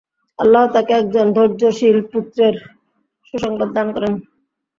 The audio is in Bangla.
আল্লাহ তাকে একজন ধৈর্যশীল পুত্রের সুসংবাদ দান করেন।